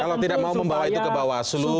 kalau tidak mau membawa itu ke bawah seluruh